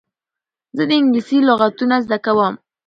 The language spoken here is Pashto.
زه د انګلېسي لغتونه زده کوم.